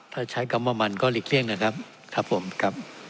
ถ้าใช้คำว่ามันก็หลีกเลี่ยงเลยครับ